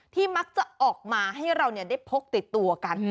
มักจะออกมาให้เราได้พกติดตัวกัน